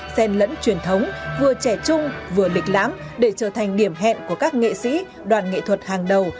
xen lẫn truyền thống vừa trẻ chung vừa lịch lãm để trở thành điểm hẹn của các nghệ sĩ đoàn nghệ thuật hàng đầu